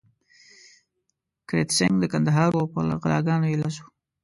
کرت سېنګ د کندهار وو او په غلاګانو يې لاس و.